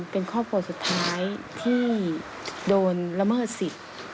เป็นข้อพูดสุดท้ายที่เข้าไปละเมิดสิ